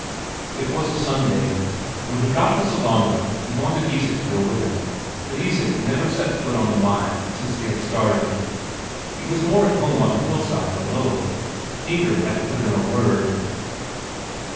It was a Sunday. When he got to Sellanraa, he wanted Isak to go with him, but Isak had never yet set foot on the mine since they had started; he was more at home on the hillside below. Inger had to put in a word.